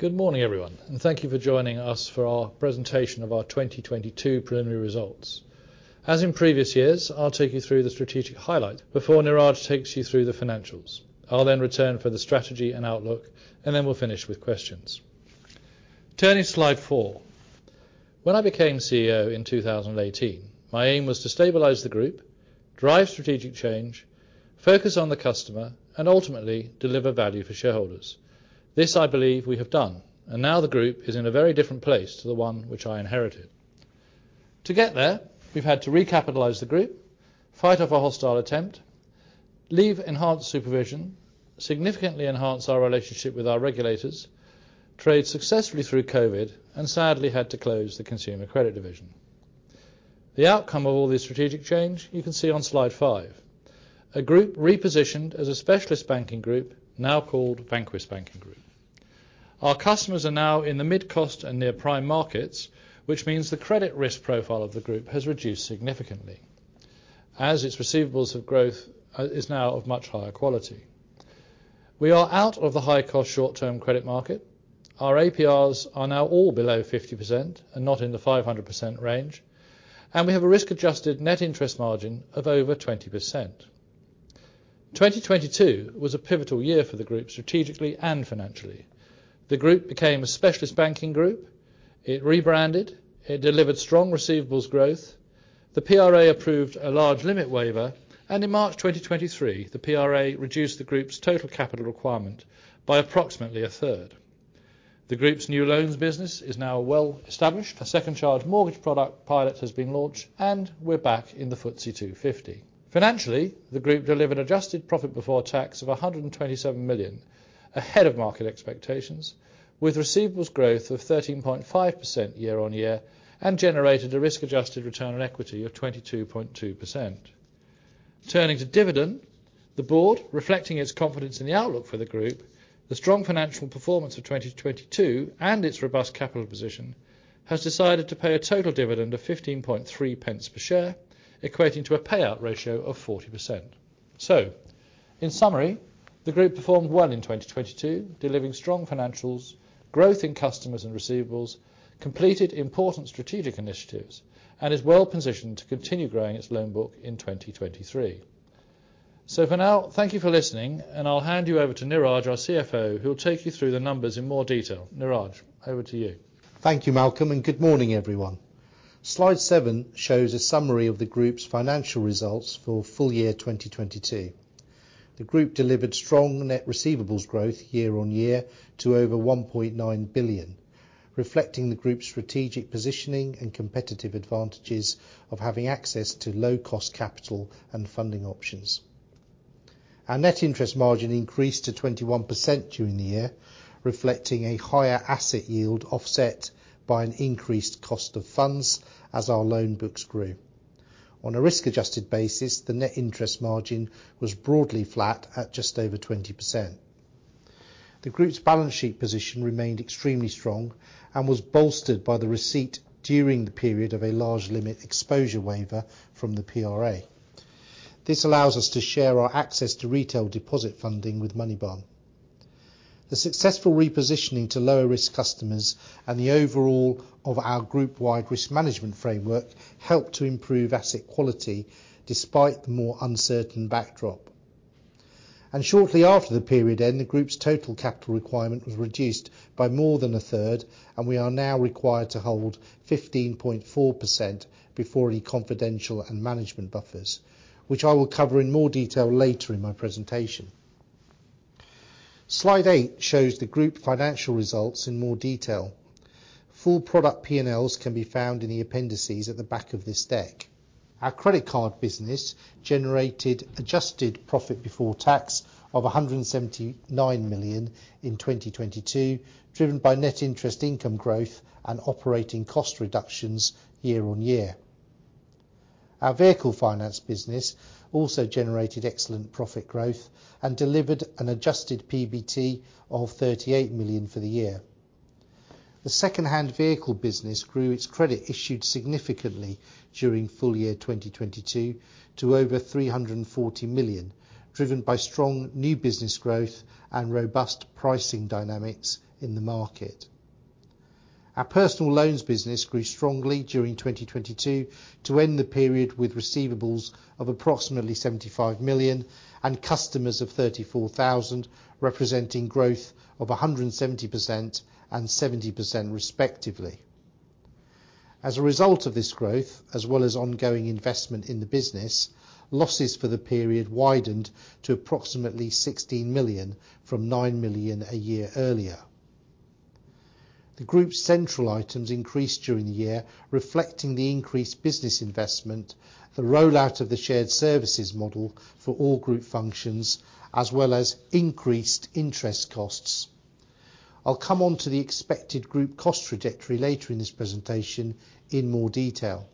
Good morning, everyone. Thank you for joining us for our presentation of our 2022 preliminary results. As in previous years, I'll take you through the strategic highlights before Neeraj takes you through the financials. I'll then return for the strategy and outlook. We'll finish with questions. Turning to Slide four. When I became CEO in 2018, my aim was to stabilize the group, drive strategic change, focus on the customer, and ultimately deliver value for shareholders. This I believe we have done. Now the group is in a very different place to the one which I inherited. To get there, we've had to recapitalize the group, fight off a hostile attempt, leave enhanced supervision, significantly enhance our relationship with our regulators, trade successfully through COVID, and sadly had to close the Consumer Credit Division. The outcome of all this strategic change you can see on Slide five. A group repositioned as a specialist banking group now called Vanquis Banking Group. Our customers are now in the mid-cost and near-prime markets, which means the credit risk profile of the group has reduced significantly as its receivables of growth is now of much higher quality. We are out of the high-cost short-term credit market. Our APRs are now all below 50% and not in the 500% range, and we have a risk-adjusted net interest margin of over 20%. 2022 was a pivotal year for the group strategically and financially. The group became a specialist banking group. It rebranded. It delivered strong receivables growth. The PRA approved a large exposure waiver, and in March 2023, the PRA reduced the group's total capital requirement by approximately a third. The group's new loans business is now well established. A second charge mortgage product pilot has been launched and we're back in the FTSE 250. Financially, the group delivered adjusted profit before tax of 127 million, ahead of market expectations, with receivables growth of 13.5% year-on-year and generated a risk-adjusted return on equity of 22.2%. Turning to dividend, the board, reflecting its confidence in the outlook for the group, the strong financial performance of 2022 and its robust capital position, has decided to pay a total dividend of 15.3 pence per share, equating to a payout ratio of 40%. In summary, the group performed well in 2022, delivering strong financials, growth in customers and receivables, completed important strategic initiatives, and is well positioned to continue growing its loan book in 2023. For now, thank you for listening, and I'll hand you over to Neeraj, our CFO, who will take you through the numbers in more detail. Neeraj, over to you. Thank you, Malcolm. Good morning, everyone. Slide seven shows a summary of the group's financial results for full year 2022. The group delivered strong net receivables growth year-over-year to over 1.9 billion, reflecting the group's strategic positioning and competitive advantages of having access to low-cost capital and funding options. Our net interest margin increased to 21% during the year, reflecting a higher asset yield offset by an increased cost of funds as our loan books grew. On a risk-adjusted basis, the net interest margin was broadly flat at just over 20%. The group's balance sheet position remained extremely strong and was bolstered by the receipt during the period of a large limit exposure waiver from the PRA. This allows us to share our access to retail deposit funding with Moneybarn. The successful repositioning to lower-risk customers and the overall of our group-wide risk management framework helped to improve asset quality despite the more uncertain backdrop. Shortly after the period end, the group's Total Capital Requirement was reduced by more than a third, and we are now required to hold 15.4% before any confidential and management buffers, which I will cover in more detail later in my presentation. Slide eight shows the group financial results in more detail. Full product P&Ls can be found in the appendices at the back of this deck. Our credit card business generated adjusted profit before tax of 179 million in 2022, driven by net interest income growth and operating cost reductions year-on-year. Our vehicle finance business also generated excellent profit growth and delivered an adjusted PBT of 38 million for the year. The secondhand vehicle business grew its credit issued significantly during full year 2022 to over 340 million, driven by strong new business growth and robust pricing dynamics in the market. Our personal loans business grew strongly during 2022 to end the period with receivables of approximately 75 million and customers of 34,000, representing growth of 170% respectively. As a result of this growth, as well as ongoing investment in the business, losses for the period widened to approximately 16 million from 9 million a year earlier. The group's central items increased during the year, reflecting the increased business investment, the rollout of the shared services model for all group functions, as well as increased interest costs. I'll come on to the expected group cost trajectory later in this presentation in more detail.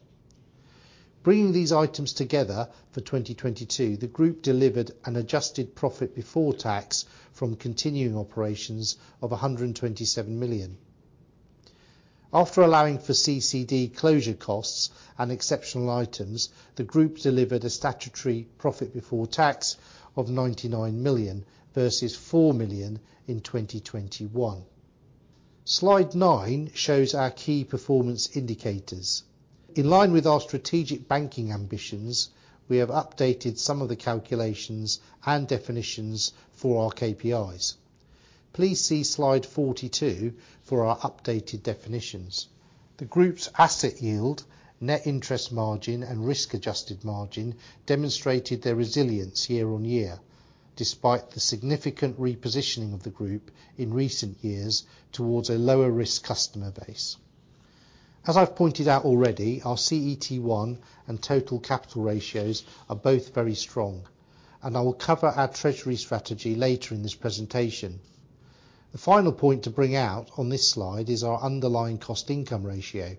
Bringing these items together for 2022, the group delivered an adjusted profit before tax from continuing operations of 127 million. After allowing for CCD closure costs and exceptional items, the group delivered a statutory profit before tax of 99 million, versus 4 million in 2021. Slide nine shows our key performance indicators. In line with our strategic banking ambitions, we have updated some of the calculations and definitions for our KPIs. Please see Slide 42 for our updated definitions. The group's asset yield, net interest margin, and risk-adjusted margin demonstrated their resilience year-over-year, despite the significant repositioning of the group in recent years towards a lower-risk customer base. As I've pointed out already, our CET1 and total capital ratios are both very strong, and I will cover our treasury strategy later in this presentation. The final point to bring out on this slide is our underlying cost income ratio,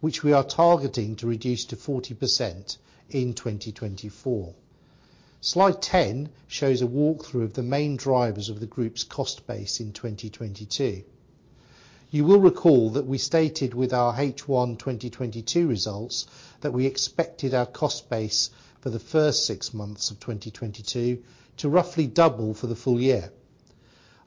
which we are targeting to reduce to 40% in 2024. Slide 10 shows a walkthrough of the main drivers of the group's cost base in 2022. You will recall that we stated with our H1 2022 results that we expected our cost base for the first six months of 2022 to roughly double for the full year.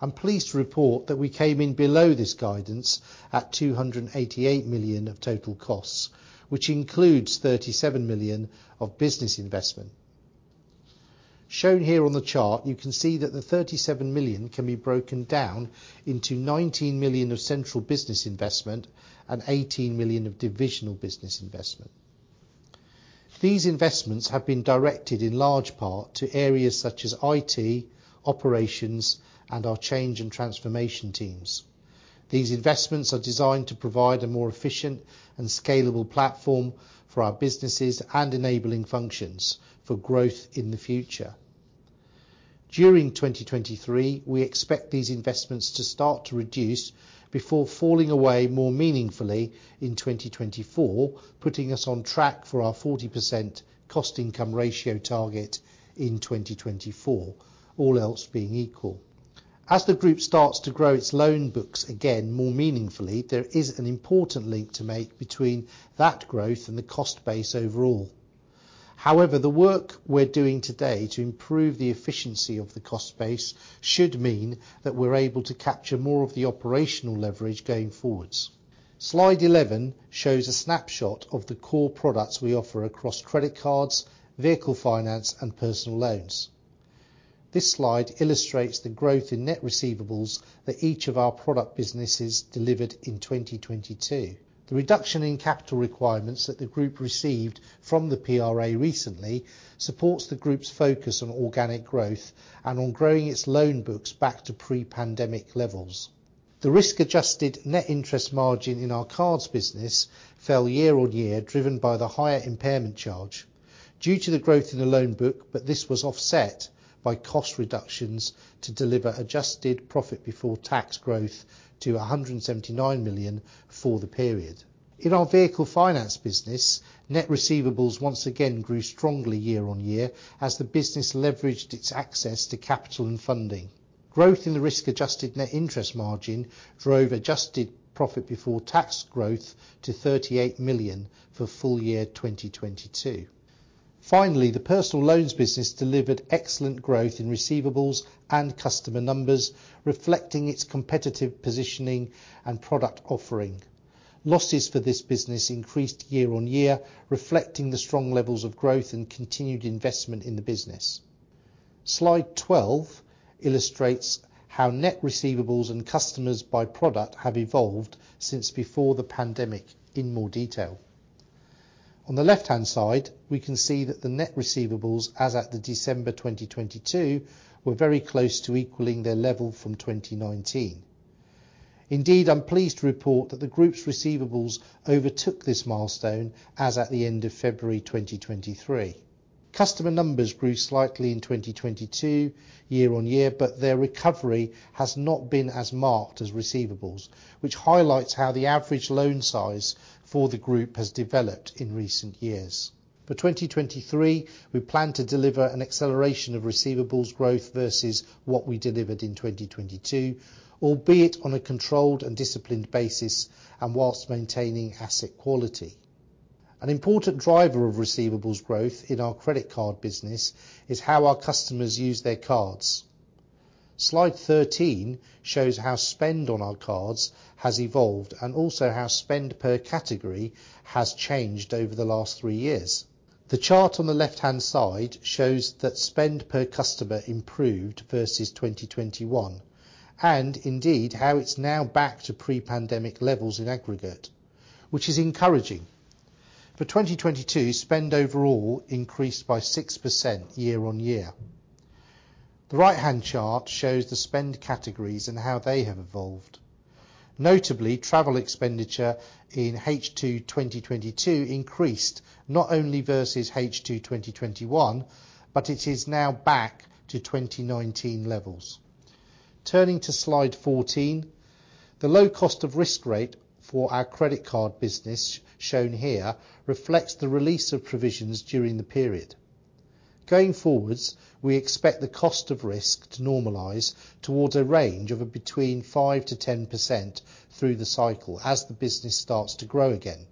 I'm pleased to report that we came in below this guidance at 288 million of total costs, which includes 37 million of business investment. Shown here on the chart, you can see that the 37 million can be broken down into 19 million of central business investment and 18 million of divisional business investment. These investments have been directed in large part to areas such as IT, operations, and our change and transformation teams. These investments are designed to provide a more efficient and scalable platform for our businesses and enabling functions for growth in the future. During 2023, we expect these investments to start to reduce before falling away more meaningfully in 2024, putting us on track for our 40% cost income ratio target in 2024, all else being equal. The group starts to grow its loan books again more meaningfully, there is an important link to make between that growth and the cost base overall. The work we're doing today to improve the efficiency of the cost base should mean that we're able to capture more of the operational leverage going forwards. Slide 11 shows a snapshot of the core products we offer across credit cards, vehicle finance, and personal loans. This slide illustrates the growth in net receivables that each of our product businesses delivered in 2022. The reduction in capital requirements that the group received from the PRA recently supports the group's focus on organic growth and on growing its loan books back to pre-pandemic levels. The risk-adjusted net interest margin in our cards business fell year-over-year, driven by the higher impairment charge due to the growth in the loan book, but this was offset by cost reductions to deliver adjusted profit before tax growth to 179 million for the period. In our vehicle finance business, net receivables once again grew strongly year-over-year as the business leveraged its access to capital and funding. Growth in the risk-adjusted net interest margin drove adjusted profit before tax growth to 38 million for full year 2022. Finally, the personal loans business delivered excellent growth in receivables and customer numbers, reflecting its competitive positioning and product offering. Losses for this business increased year-on-year, reflecting the strong levels of growth and continued investment in the business. Slide 12 illustrates how net receivables and customers by product have evolved since before the pandemic in more detail. On the left-hand side, we can see that the net receivables as at the December 2022 were very close to equaling their level from 2019. Indeed, I'm pleased to report that the group's receivables overtook this milestone as at the end of February 2023. Customer numbers grew slightly in 2022 year-on-year, but their recovery has not been as marked as receivables, which highlights how the average loan size for the group has developed in recent years. For 2023, we plan to deliver an acceleration of receivables growth versus what we delivered in 2022, albeit on a controlled and disciplined basis and whilst maintaining asset quality. An important driver of receivables growth in our credit card business is how our customers use their cards. Slide 13 shows how spend on our cards has evolved and also how spend per category has changed over the last three years. The chart on the left-hand side shows that spend per customer improved versus 2021 and indeed how it's now back to pre-pandemic levels in aggregate, which is encouraging. For 2022, spend overall increased by 6% year-on-year. The right-hand chart shows the spend categories and how they have evolved. Notably, travel expenditure in H2 2022 increased not only versus H2 2021, but it is now back to 2019 levels. Turning to Slide 14, the low cost of risk rate for our credit card business shown here reflects the release of provisions during the period. Going forwards, we expect the cost of risk to normalize towards a range of between 5%-10% through the cycle as the business starts to grow again.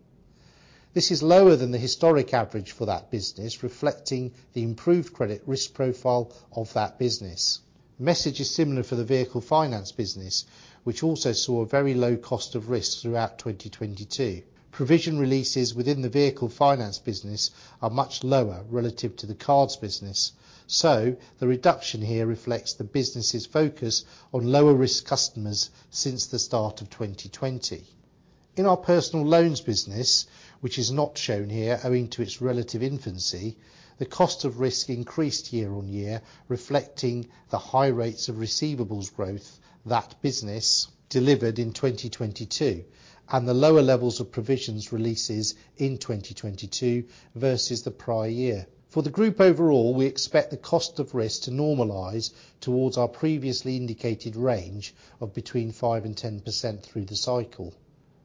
This is lower than the historic average for that business, reflecting the improved credit risk profile of that business. Message is similar for the vehicle finance business, which also saw a very low cost of risk throughout 2022. Provision releases within the vehicle finance business are much lower relative to the cards business. The reduction here reflects the business's focus on lower risk customers since the start of 2020. In our personal loans business, which is not shown here owing to its relative infancy, the cost of risk increased year on year, reflecting the high rates of receivables growth that business delivered in 2022, and the lower levels of provisions releases in 2022 versus the prior year. For the group overall, we expect the cost of risk to normalize towards our previously indicated range of between 5% and 10% through the cycle.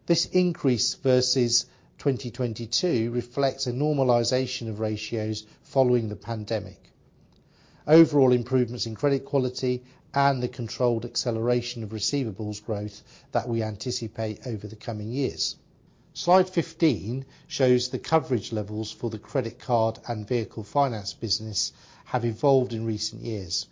This increase versus 2022 reflects a normalization of ratios following the pandemic. Overall improvements in credit quality and the controlled acceleration of receivables growth that we anticipate over the coming years. Slide 15 shows the coverage levels for the credit card and vehicle finance business have evolved in recent years.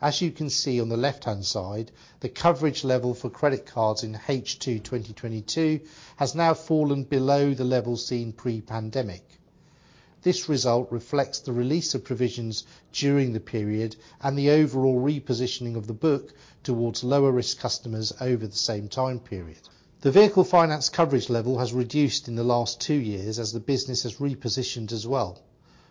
As you can see on the left-hand side, the coverage level for credit cards in H2 2022 has now fallen below the level seen pre-pandemic. This result reflects the release of provisions during the period and the overall repositioning of the book towards lower risk customers over the same time period. The vehicle finance coverage level has reduced in the last two years as the business has repositioned as well.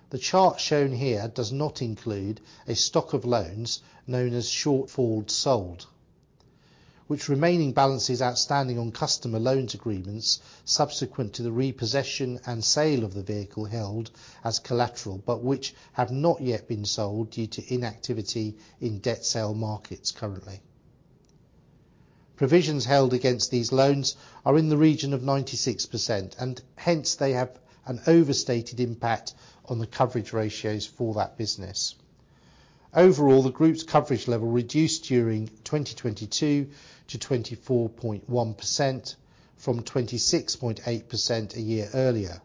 The chart shown here does not include a stock of loans known as shortfall sold, which remaining balance is outstanding on customer loans agreements subsequent to the repossession and sale of the vehicle held as collateral, but which have not yet been sold due to inactivity in debt sale markets currently. Provisions held against these loans are in the region of 96%. Hence they have an overstated impact on the coverage ratios for that business. Overall, the group's coverage level reduced during 2022 to 24.1% from 26.8% a year earlier.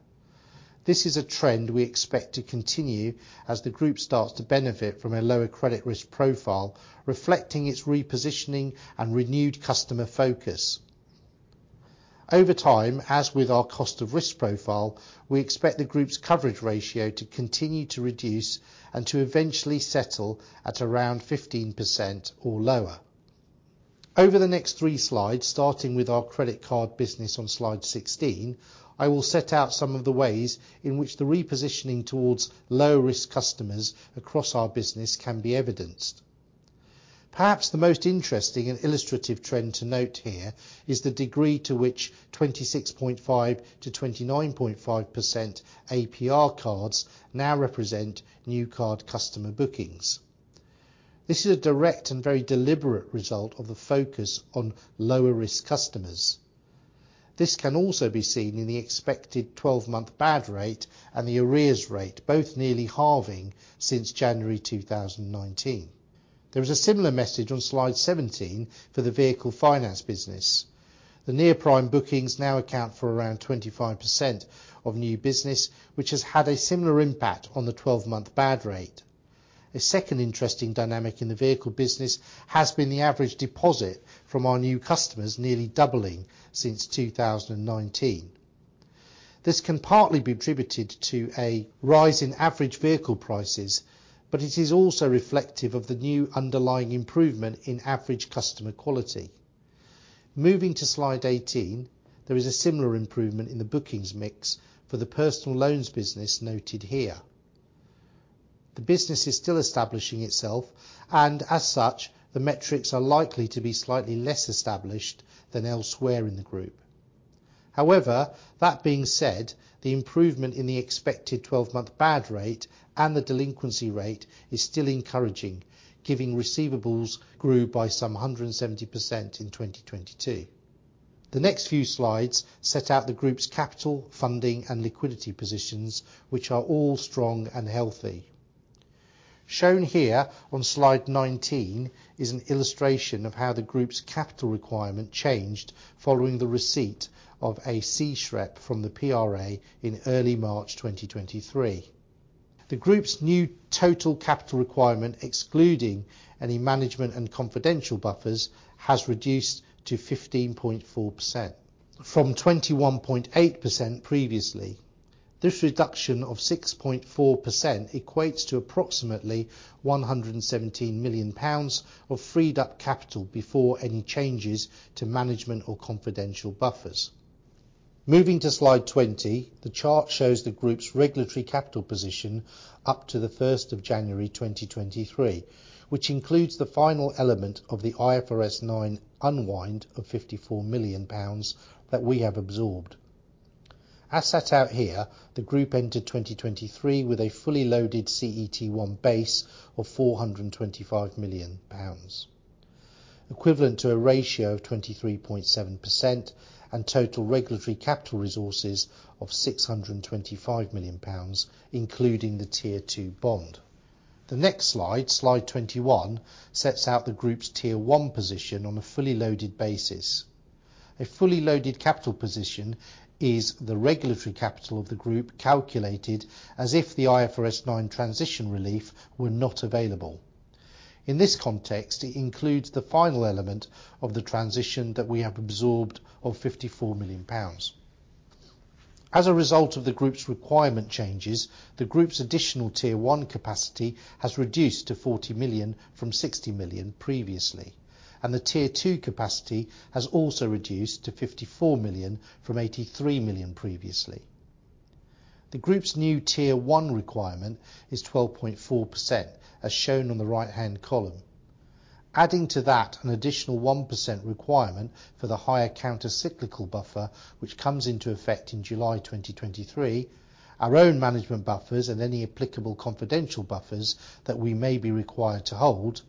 This is a trend we expect to continue as the group starts to benefit from a lower credit risk profile, reflecting its repositioning and renewed customer focus. Over time, as with our cost of risk profile, we expect the group's coverage ratio to continue to reduce and to eventually settle at around 15% or lower. Over the next three slides, starting with our credit card business on Slide 16, I will set out some of the ways in which the repositioning towards low risk customers across our business can be evidenced. Perhaps the most interesting and illustrative trend to note here is the degree to which 26.5%-29.5% APR cards now represent new card customer bookings. This is a direct and very deliberate result of the focus on lower risk customers. This can also be seen in the expected 12-month bad rate and the arrears rate, both nearly halving since January 2019. There is a similar message on Slide 17 for the vehicle finance business. The near-prime bookings now account for around 25% of new business, which has had a similar impact on the 12-month bad rate. A second interesting dynamic in the vehicle business has been the average deposit from our new customers nearly doubling since 2019. It is also reflective of the new underlying improvement in average customer quality. Moving to Slide 18, there is a similar improvement in the bookings mix for the personal loans business noted here. The business is still establishing itself. As such, the metrics are likely to be slightly less established than elsewhere in the group. That being said, the improvement in the expected 12-month bad rate and the delinquency rate is still encouraging, giving receivables grew by some 170% in 2022. The next few slides set out the group's capital, funding, and liquidity positions, which are all strong and healthy. Shown here on Slide 19 is an illustration of how the group's capital requirement changed following the receipt of a C-SREP from the PRA in early March 2023. The group's new Total Capital Requirement, excluding any management and confidential buffers has reduced to 15.4% from 21.8% previously. This reduction of 6.4% equates to approximately 117 million pounds of freed-up capital before any changes to management or confidential buffers. Moving to Slide 20, the chart shows the group's regulatory capital position up to January 1, 2023, which includes the final element of the IFRS 9 unwind of 54 million pounds that we have absorbed. As set out here, the group entered 2023 with a fully loaded CET-1 base of 425 million pounds, equivalent to a ratio of 23.7% and total regulatory capital resources of 625 million pounds, including the Tier 2 bond. The next Slide 21, sets out the group's Tier 1 position on a fully loaded basis. A fully loaded capital position is the regulatory capital of the group calculated as if the IFRS 9 transition relief were not available. In this context, it includes the final element of the transition that we have absorbed of 54 million pounds. As a result of the group's requirement changes, the group's additional Tier 1 capacity has reduced to 40 million from 60 million previously, and the Tier 2 capacity has also reduced to 54 million from 83 million previously. The group's new Tier 1 requirement is 12.4%, as shown on the right-hand column. Adding to that, an additional 1% requirement for the higher countercyclical buffer, which comes into effect in July 2023, our own management buffers and any applicable confidential buffers that we may be required to hold.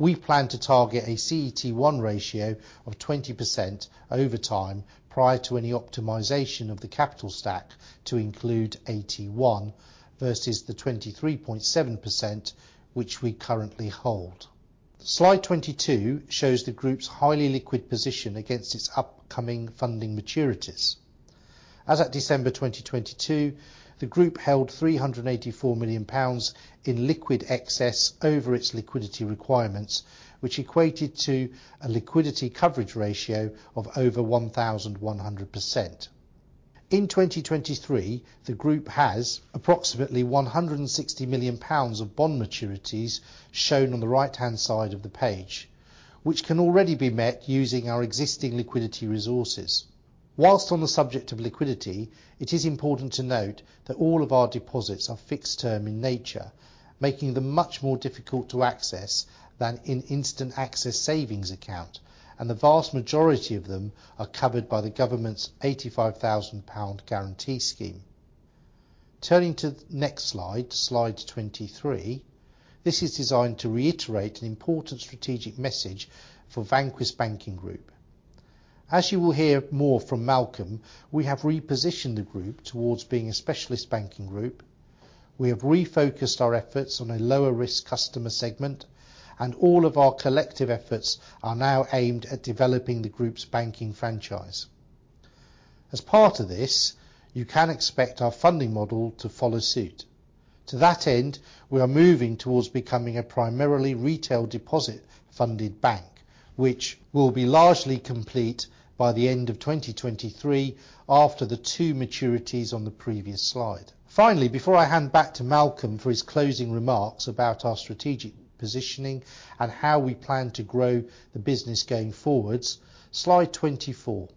We plan to target a CET1 ratio of 20% over time prior to any optimization of the capital stack to include AT1 versus the 23.7% which we currently hold. Slide 22 shows the group's highly liquid position against its upcoming funding maturities. As at December 2022, the group held 384 million pounds in liquid excess over its liquidity requirements, which equated to a liquidity coverage ratio of over 1,100%. In 2023, the group has approximately 160 million pounds of bond maturities shown on the right-hand side of the page, which can already be met using our existing liquidity resources. Whilst on the subject of liquidity, it is important to note that all of our deposits are fixed term in nature, making them much more difficult to access than in instant access savings account, and the vast majority of them are covered by the government's 85,000 pound guarantee scheme. Turning to the next Slide 23. This is designed to reiterate an important strategic message for Vanquis Banking Group. As you will hear more from Malcolm, we have repositioned the group towards being a specialist banking group. We have refocused our efforts on a lower risk customer segment, and all of our collective efforts are now aimed at developing the group's banking franchise. As part of this, you can expect our funding model to follow suit. To that end, we are moving towards becoming a primarily retail deposit funded bank, which will be largely complete by the end of 2023 after the two maturities on the previous slide. Finally, before I hand back to Malcolm for his closing remarks about our strategic positioning and how we plan to grow the business going forwards, Slide 24.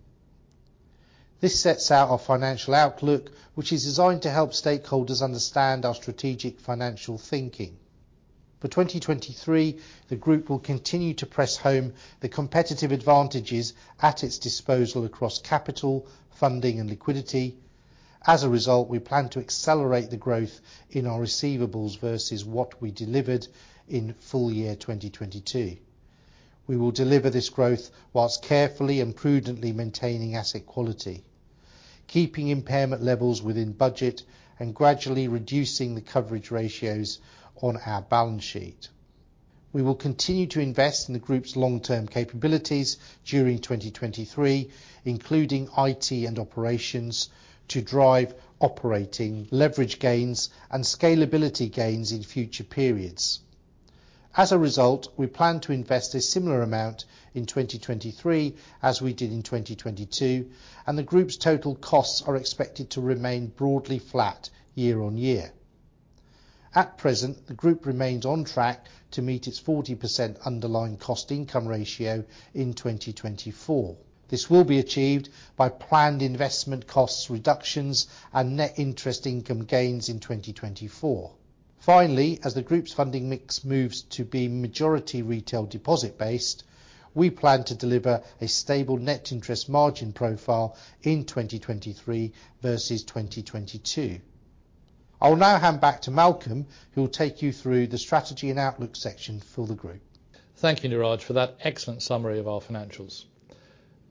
This sets out our financial outlook, which is designed to help stakeholders understand our strategic financial thinking. For 2023, the group will continue to press home the competitive advantages at its disposal across capital, funding, and liquidity. As a result, we plan to accelerate the growth in our receivables versus what we delivered in full year 2022. We will deliver this growth while carefully and prudently maintaining asset quality, keeping impairment levels within budget and gradually reducing the coverage ratios on our balance sheet. We will continue to invest in the group's long-term capabilities during 2023, including IT and operations to drive operating leverage gains and scalability gains in future periods. As a result, we plan to invest a similar amount in 2023 as we did in 2022, and the group's total costs are expected to remain broadly flat year-on-year. At present, the group remains on track to meet its 40% underlying cost income ratio in 2024. This will be achieved by planned investment costs reductions and net interest income gains in 2024. Finally, as the group's funding mix moves to be majority retail deposit based, we plan to deliver a stable net interest margin profile in 2023 versus 2022. I will now hand back to Malcolm, who will take you through the strategy and outlook section for the group. Thank you, Neeraj, for that excellent summary of our financials.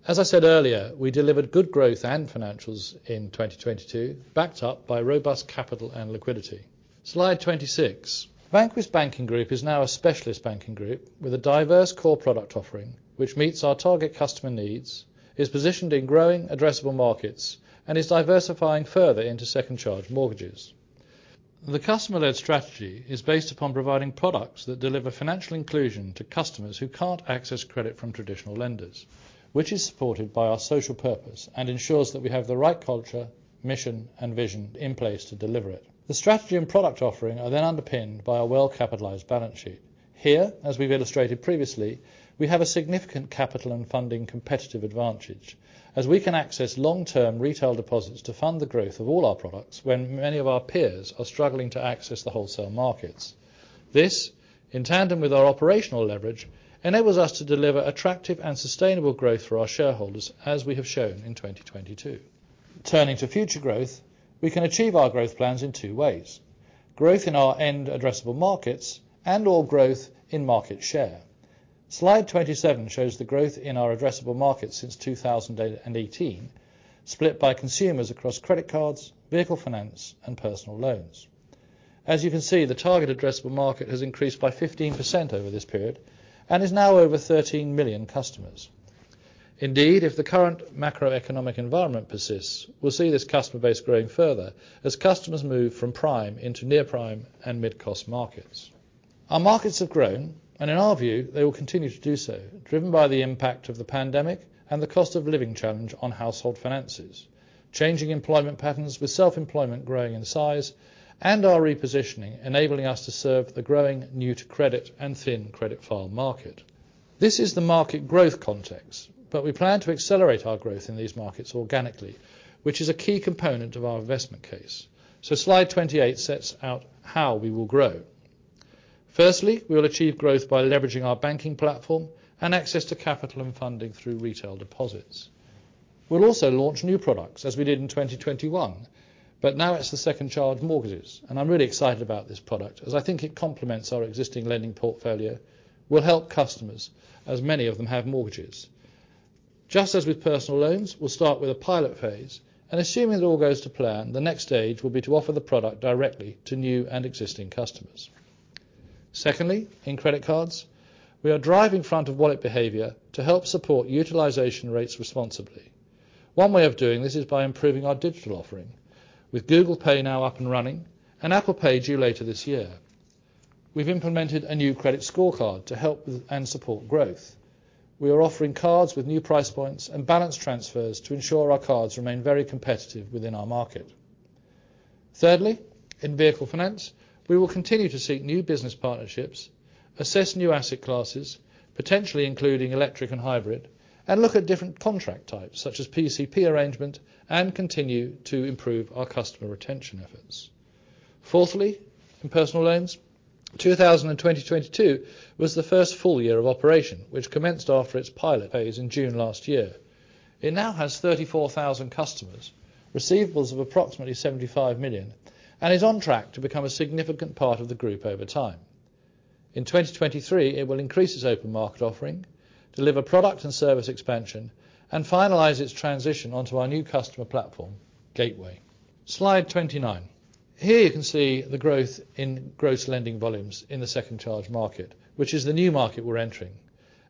As I said earlier, we delivered good growth and financials in 2022, backed up by robust capital and liquidity. Slide 26. Vanquis Banking Group is now a specialist banking group with a diverse core product offering which meets our target customer needs, is positioned in growing addressable markets, and is diversifying further into second charge mortgages. The customer-led strategy is based upon providing products that deliver financial inclusion to customers who can't access credit from traditional lenders, which is supported by our social purpose and ensures that we have the right culture, mission, and vision in place to deliver it. The strategy and product offering are underpinned by a well-capitalized balance sheet. Here, as we've illustrated previously, we have a significant capital and funding competitive advantage as we can access long-term retail deposits to fund the growth of all our products when many of our peers are struggling to access the wholesale markets. This, in tandem with our operational leverage, enables us to deliver attractive and sustainable growth for our shareholders as we have shown in 2022. Turning to future growth, we can achieve our growth plans in two ways. Growth in our end addressable markets and all growth in market share. Slide 27 shows the growth in our addressable market since 2018, split by consumers across credit cards, vehicle finance and personal loans. As you can see, the target addressable market has increased by 15% over this period and is now over 13 million customers. Indeed, if the current macroeconomic environment persists, we'll see this customer base growing further as customers move from prime into near-prime and mid-cost markets. Our markets have grown, and in our view, they will continue to do so, driven by the impact of the pandemic and the cost of living challenge on household finances. Changing employment patterns with self-employment growing in size and our repositioning enabling us to serve the growing new to credit and thin credit file market. This is the market growth context. We plan to accelerate our growth in these markets organically, which is a key component of our investment case. Slide 28 sets out how we will grow. Firstly, we will achieve growth by leveraging our banking platform and access to capital and funding through retail deposits. We'll also launch new products as we did in 2021, but now it's the second charge mortgages, and I'm really excited about this product as I think it complements our existing lending portfolio. We'll help customers as many of them have mortgages. Just as with personal loans, we'll start with a pilot phase, and assuming it all goes to plan, the next stage will be to offer the product directly to new and existing customers. Secondly, in credit cards, we are driving front of wallet behavior to help support utilization rates responsibly. One way of doing this is by improving our digital offering. With Google Pay now up and running and Apple Pay due later this year, we've implemented a new credit scorecard to help with and support growth. We are offering cards with new price points and balance transfers to ensure our cards remain very competitive within our market. Thirdly, in vehicle finance, we will continue to seek new business partnerships, assess new asset classes, potentially including electric and hybrid, and look at different contract types such as PCP arrangement and continue to improve our customer retention efforts. Fourthly, in personal loans, 2022 was the first full year of operation which commenced after its pilot phase in June last year. It now has 34,000 customers, receivables of approximately 75 million, and is on track to become a significant part of the group over time. In 2023, it will increase its open market offering, deliver product and service expansion, and finalize its transition onto our new customer platform, Gateway. Slide 29. Here you can see the growth in gross lending volumes in the second charge market, which is the new market we're entering.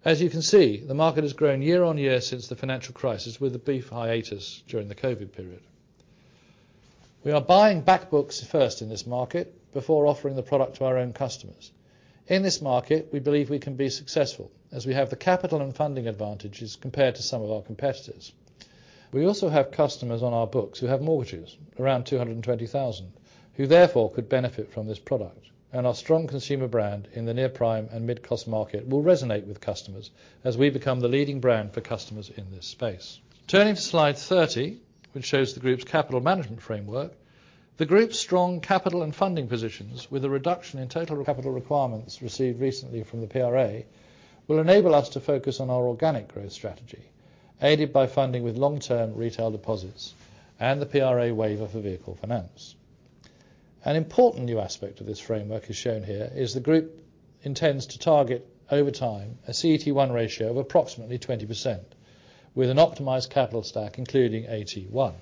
As you can see, the market has grown year on year since the financial crisis with a brief hiatus during the COVID period. We are buying back books first in this market before offering the product to our own customers. In this market, we believe we can be successful as we have the capital and funding advantages compared to some of our competitors. We also have customers on our books who have mortgages, around 220,000, who therefore could benefit from this product. Our strong consumer brand in the near-prime and mid-cost market will resonate with customers as we become the leading brand for customers in this space. Turning to Slide 30, which shows the group's capital management framework. The group's strong capital and funding positions with a reduction in total capital requirements received recently from the PRA will enable us to focus on our organic growth strategy, aided by funding with long-term retail deposits and the PRA waiver for vehicle finance. An important new aspect of this framework is shown here is the group intends to target over time a CET1 ratio of approximately 20% with an optimized capital stack including AT1.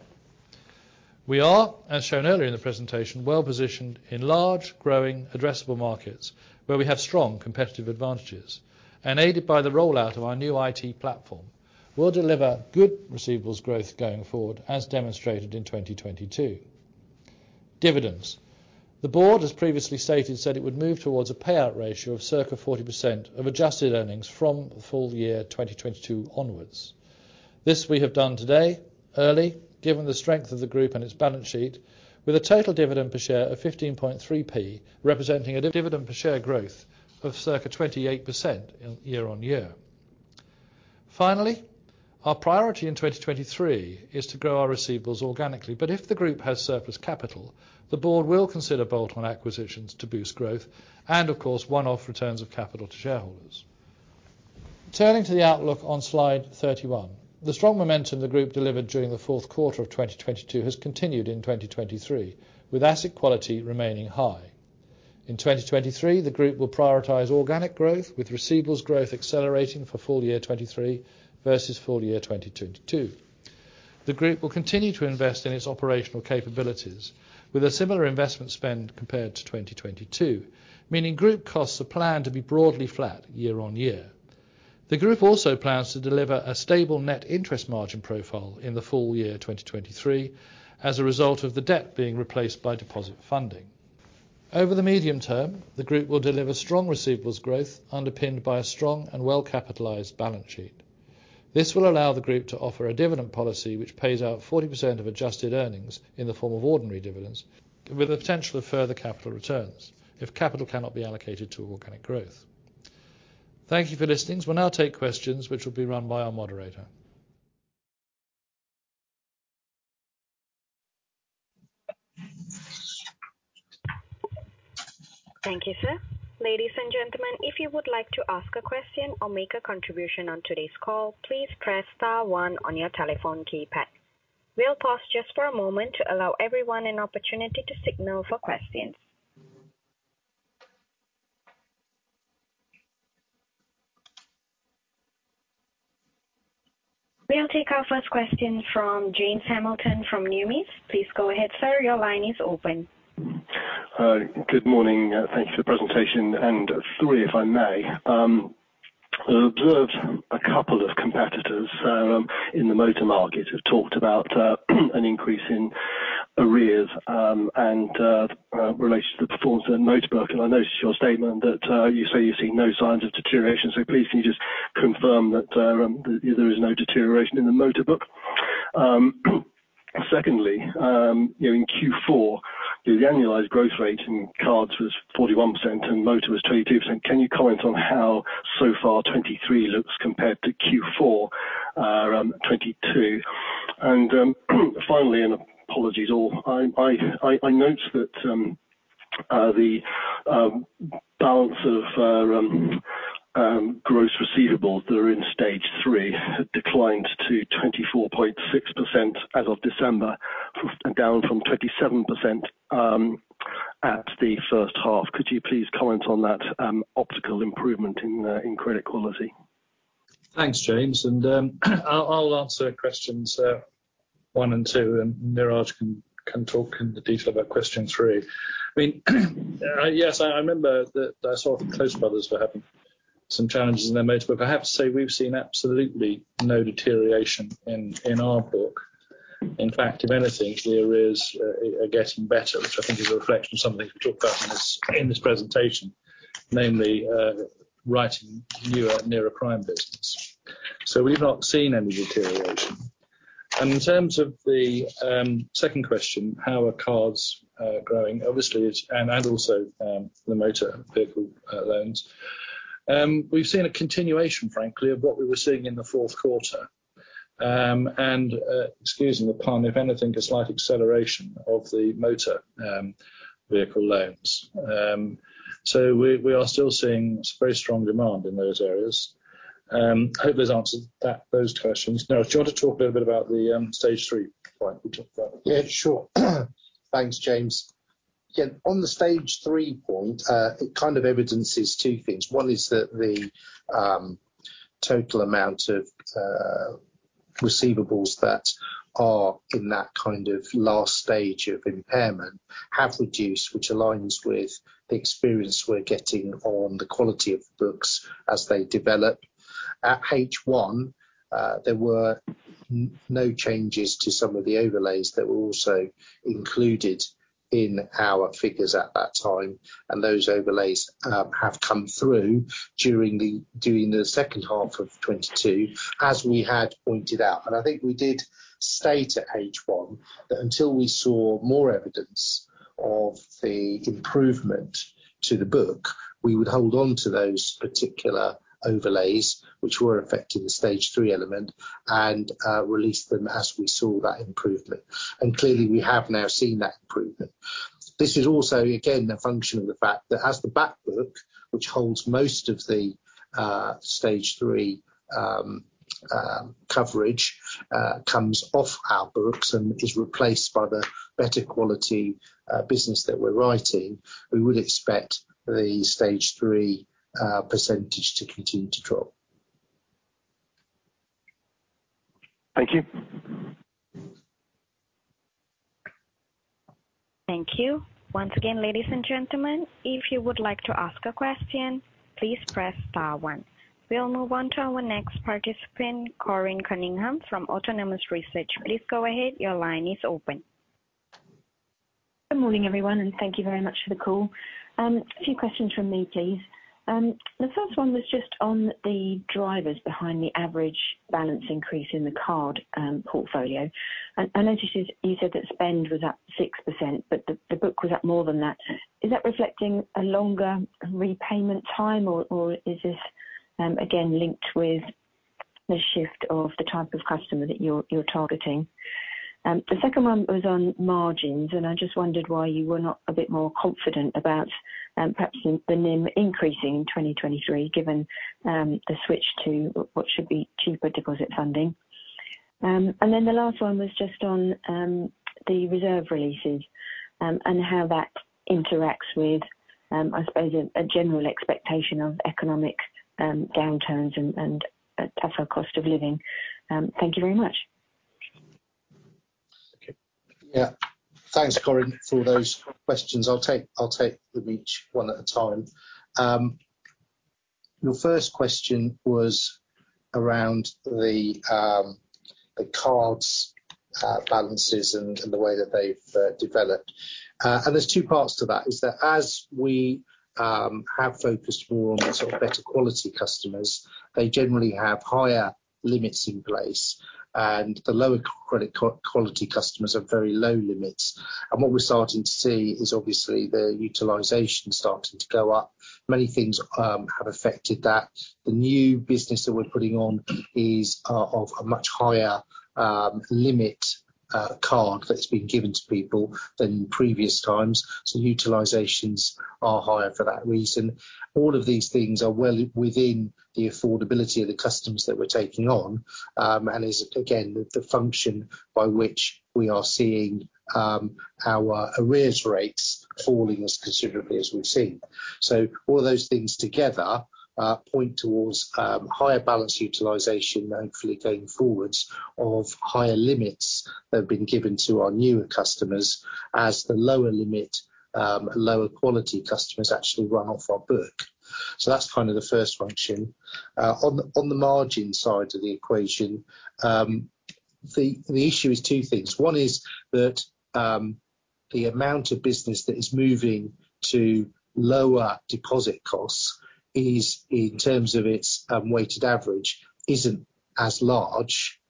We are, as shown earlier in the presentation, well positioned in large, growing addressable markets where we have strong competitive advantages. Aided by the rollout of our new IT platform, we'll deliver good receivables growth going forward as demonstrated in 2022. Dividends. The board has previously stated it would move towards a payout ratio of circa 40% of adjusted earnings from the full year 2022 onwards. This we have done today early, given the strength of the Group and its balance sheet with a total dividend per share of 15.3p, representing a dividend per share growth of circa 28% in, year on year. Finally, our priority in 2023 is to grow our receivables organically. If the Group has surplus capital, the board will consider bolt-on acquisitions to boost growth and of course, one-off returns of capital to shareholders. Turning to the outlook on Slide 31. The strong momentum the Group delivered during the fourth quarter of 2022 has continued in 2023, with asset quality remaining high. In 2023, the Group will prioritize organic growth with receivables growth accelerating for full year 2023 versus full year 2022. The Group will continue to invest in its operational capabilities with a similar investment spend compared to 2022. Meaning group costs are planned to be broadly flat year-over-year. The group also plans to deliver a stable net interest margin profile in the full year 2023 as a result of the debt being replaced by deposit funding. Over the medium term, the group will deliver strong receivables growth underpinned by a strong and well-capitalized balance sheet. This will allow the group to offer a dividend policy which pays out 40% of adjusted earnings in the form of ordinary dividends, with the potential of further capital returns if capital cannot be allocated to organic growth. Thank you for listening. We'll now take questions which will be run by our moderator. Thank you, sir. Ladies and gentlemen, if you would like to ask a question or make a contribution on today's call, please press star one on your telephone keypad. We'll pause just for a moment to allow everyone an opportunity to signal for questions. We'll take our first question from James Hamilton from Numis. Please go ahead, sir. Your line is open. Good morning. Thank you for the presentation. Three, if I may. Observed a couple of competitors in the motor market have talked about an increase in arrears and related to the performance in Motor book. I noticed in your statement that you say you're seeing no signs of deterioration. Please can you just confirm that there is no deterioration in the Motor book? Secondly, you know, in Q4, the annualized growth rate in cards was 41% and motor was 22%. Can you comment on how so far 2023 looks compared to Q4 2022? Finally, and apologies all, I note that the balance of gross receivables that are in Stage 3 had declined to 24.6% as of December, down from 27% at the first half. Could you please comment on that optical improvement in credit quality? Thanks, James. I'll answer questions one and two, and Neeraj can talk into detail about question three. I mean, yes, I remember that I saw Close Brothers were having some challenges in their Motor book. I have to say, we've seen absolutely no deterioration in our book. In fact, if anything, the arrears are getting better, which I think is a reflection of something we talked about in this presentation, namely, writing newer, near-prime business. We've not seen any deterioration. In terms of the second question, how are cards growing, obviously and also the motor vehicle loans. We've seen a continuation, frankly, of what we were seeing in the fourth quarter. Excuse the pun, if anything, a slight acceleration of the motor vehicle loans. We are still seeing some very strong demand in those areas. Hope that's answered those questions. Neeraj, do you want to talk a little bit about the Stage 3 point? You talked about that. Yeah, sure. Thanks, James. Yeah. On the Stage 3 point, it kind of evidences two things. One is that the total amount of receivables that are in that kind of last stage of impairment have reduced, which aligns with the experience we're getting on the quality of the books as they develop. At H1, there were no changes to some of the overlays that were also included in our figures at that time, and those overlays have come through during the, during the second half of 2022, as we had pointed out. I think we did state at H1 that until we saw more evidence of the improvement to the book, we would hold on to those particular overlays, which were affecting the Stage 3 element, and release them as we saw that improvement. Clearly, we have now seen that improvement. This is also, again, a function of the fact that as the back book, which holds most of the Stage 3 coverage, comes off our books and is replaced by the better quality business that we're writing, we would expect the Stage 3 percentage to continue to drop. Thank you. Thank you. Once again, ladies and gentlemen, if you would like to ask a question, please press star one. We'll move on to our next participant, Corinne Cunningham from Autonomous Research. Please go ahead. Your line is open. Good morning, everyone, and thank you very much for the call. A few questions from me, please. The first one was just on the drivers behind the average balance increase in the card portfolio. I noticed you said that spend was up 6%, but the book was up more than that. Is that reflecting a longer repayment time or is this, again, linked with the shift of the type of customer that you're targeting? The second one was on margins, and I just wondered why you were not a bit more confident about perhaps the NIM increasing in 2023, given the switch to what should be cheaper deposit funding. The last one was just on the reserve releases and how that interacts with I suppose, a general expectation of economic downturns and a tougher cost of living. Thank you very much. Okay. Yeah. Thanks, Corinne, for those questions. I'll take them each one at a time. Your first question was around the cards balances and the way that they've developed. There's two parts to that, is that as we have focused more on sort of better quality customers, they generally have higher limits in place. The lower credit quality customers have very low limits. What we're starting to see is obviously their utilization starting to go up. Many things have affected that. The new business that we're putting on is of a much higher limit card that's been given to people than in previous times, so utilizations are higher for that reason. All of these things are well within the affordability of the customers that we're taking on, and is again, the function by which we are seeing, our arrears rates falling as considerably as we've seen. All those things together point towards higher balance utilization, hopefully going forwards of higher limits that have been given to our newer customers as the lower limit, lower quality customers actually run off our book. That's kind of the first function. On the, on the margin side to the equation, the issue is two things. One is that the amount of business that is moving to lower deposit costs is, in terms of its weighted average, isn't as large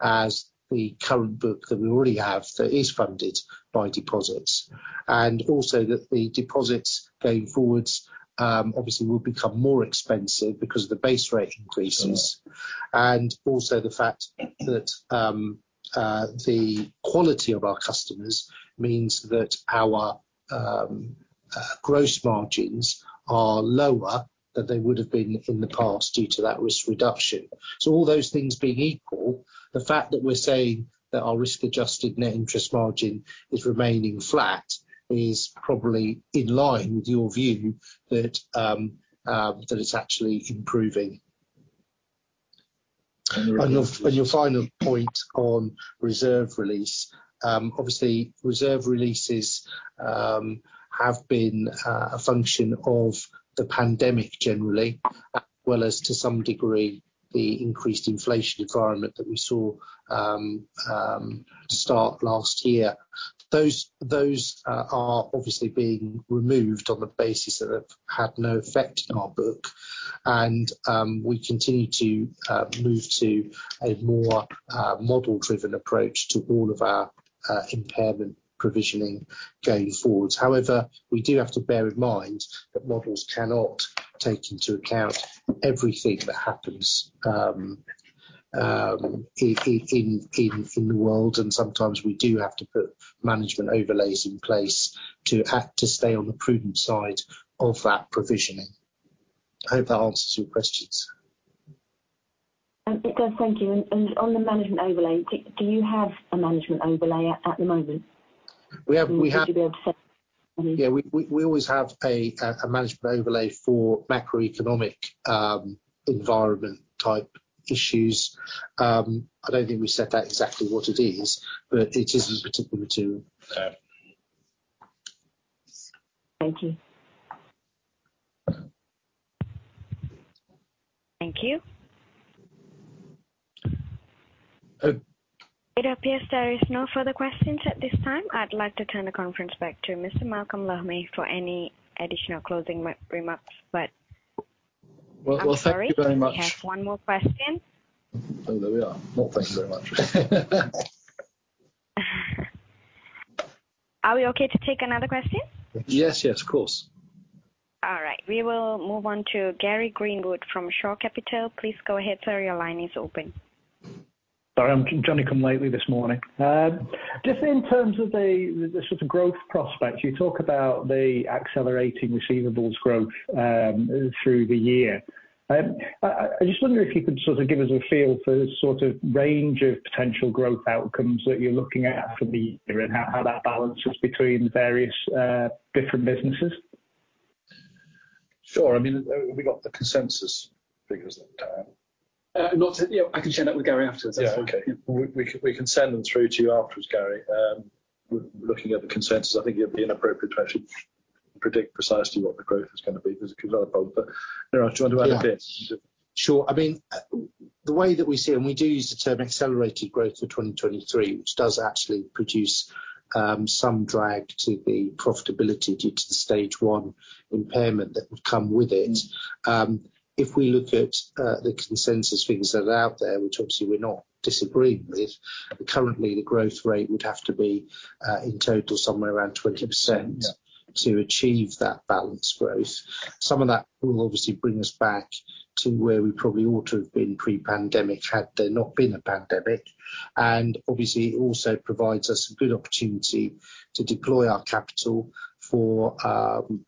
as the current book that we already have that is funded by deposits. The deposits going forwards obviously will become more expensive because of the base rate increases. The quality of our customers means that our gross margins are lower than they would've been in the past due to that risk reduction. All those things being equal, the fact that we're saying that our risk-adjusted net interest margin is remaining flat is probably in line with your view that it's actually improving. On your final point on reserve release, obviously reserve releases have been a function of the pandemic generally, as well as to some degree, the increased inflation environment that we saw start last year. Those are obviously being removed on the basis that they've had no effect on our book. We continue to move to a more model-driven approach to all of our impairment provisioning going forwards. However, we do have to bear in mind that models cannot take into account everything that happens in the world, and sometimes we do have to put management overlays in place to stay on the prudent side of that provisioning. I hope that answers your questions. it does. Thank you. On the management overlay, do you have a management overlay at the moment? We have, we have- Would you be able to say? Mm-hmm. Yeah. We always have a management overlay for macroeconomic environment type issues. I don't think we said that exactly what it is, but it is particular to... Yeah. Thank you. Thank you. Uh- It appears there is no further questions at this time. I'd like to turn the conference back to Mr. Malcolm Le May for any additional closing remarks, but I'm sorry. Well, well, thank you very much. We have one more question. Oh, there we are. Well, thank you very much. Are we okay to take another question? Yes. Yes, yes, of course. All right. We will move on to Gary Greenwood from Shore Capital. Please go ahead, sir. Your line is open. Sorry, I'm joining completely this morning. Just in terms of the sort of growth prospects, you talk about the accelerating receivables growth through the year. I just wonder if you could sort of give us a feel for sort of range of potential growth outcomes that you're looking at for the year and how that balances between various different businesses. Sure. I mean, we've got the consensus figures that time. You know, I can share that with Gary afterwards. Yeah. Okay. We, we can, we can send them through to you afterwards, Gary. Looking at the consensus, I think it'd be inappropriate to actually predict precisely what the growth is gonna be. There's a lot of both. Neeraj, do you want to add a bit? Yeah. Sure. I mean, the way that we see it, and we do use the term accelerated growth for 2023, which does actually produce some drag to the profitability due to the Stage 1 impairment that would come with it. If we look at the consensus figures that are out there, which obviously we're not disagreeing with, currently the growth rate would have to be, in total somewhere around 20%. to achieve that balance growth. Some of that will obviously bring us back to where we probably ought to have been pre-pandemic had there not been a pandemic. It also provides us a good opportunity to deploy our capital for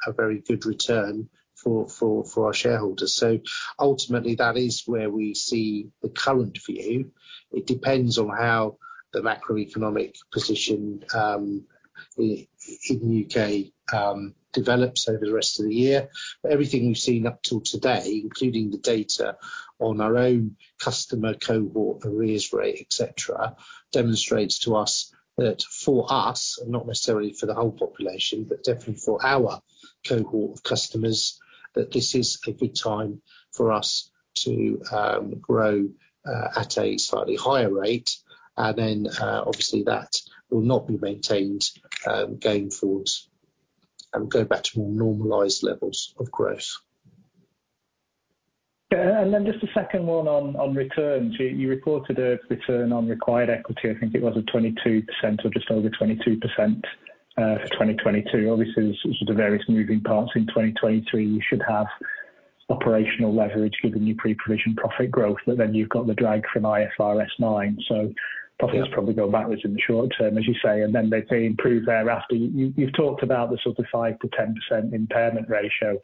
a very good return for our shareholders. Ultimately, that is where we see the current view. It depends on how the macroeconomic position in the U.K. develops over the rest of the year. Everything we've seen up till today, including the data on our own customer cohort arrears rate, et cetera, demonstrates to us that for us, and not necessarily for the whole population, but definitely for our cohort of customers, that this is a good time for us to grow at a slightly higher rate. Obviously that will not be maintained, going forwards and go back to more normalized levels of growth. Then just a second one on returns. You reported a return on required equity. I think it was a 22% or just over 22% for 2022. Obviously, there's sort of various moving parts in 2023. You should have operational leverage given your pre-provision profit growth, then you've got the drag from IFRS 9. Probably that's probably go backwards in the short term, as you say, then they may improve thereafter. You've talked about the sort of 5%-10% impairment ratio-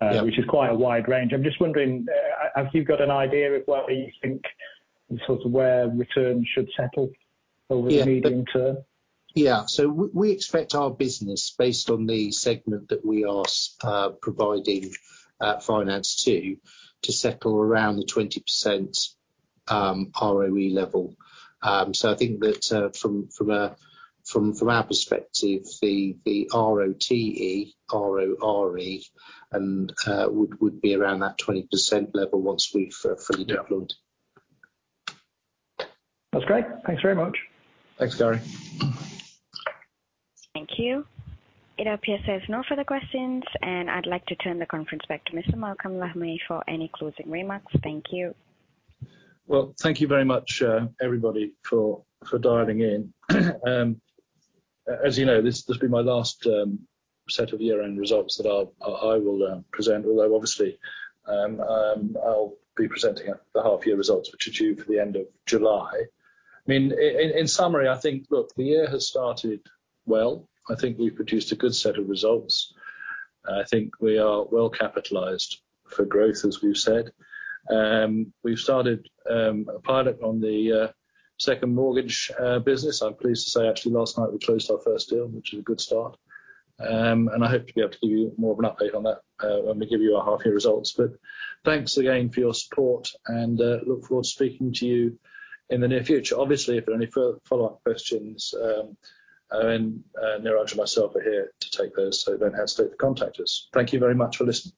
Yeah... Which is quite a wide range. I'm just wondering, have you got an idea of where you think sort of where returns should settle over the medium term? Yeah. We expect our business based on the segment that we are providing finance to settle around the 20% ROE level. I think that from our perspective, the ROTE, RORE and would be around that 20% level once we've fully deployed. Yeah. That's great. Thanks very much. Thanks, Gary. Thank you. It appears there's no further questions. I'd like to turn the conference back to Mr. Malcolm Le May for any closing remarks. Thank you. Well, thank you very much, everybody for dialing in. As you know, this will be my last set of year-end results that I will present, although obviously, I'll be presenting at the half year results, which are due for the end of July. I mean, in summary, I think, look, the year has started well. I think we produced a good set of results. I think we are well capitalized for growth, as we've said. We've started a pilot on the second mortgage business. I'm pleased to say actually last night we closed our first deal, which is a good start. I hope to be able to give you more of an update on that, when we give you our half year results. thanks again for your support and look forward to speaking to you in the near future. Obviously, if there are any follow-up questions, and Neeraj and myself are here to take those, so don't hesitate to contact us. Thank you very much for listening.